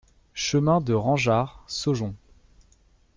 Chemin de Rangeard, Saujon